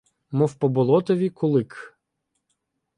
Мов по болотові кулик?